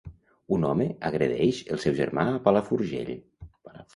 Un home agredeix el seu germà a Palafrugell.